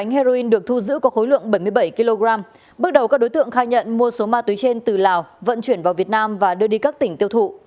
hai bánh heroin được thu giữ có khối lượng bảy mươi bảy kg bước đầu các đối tượng khai nhận mua số ma túy trên từ lào vận chuyển vào việt nam và đưa đi các tỉnh tiêu thụ